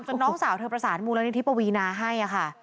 น้องสาวเธอประสานมูลนิธิปวีนาให้ค่ะ